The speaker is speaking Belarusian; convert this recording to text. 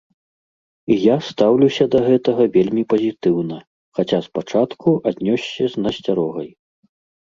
І я стаўлюся да гэтага вельмі пазітыўна, хаця спачатку аднёсся з насцярогай.